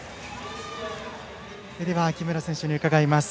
では木村選手に伺います。